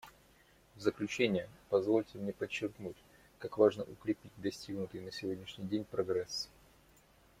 В заключение позвольте мне подчеркнуть, как важно укрепить достигнутый на сегодняшний день прогресс.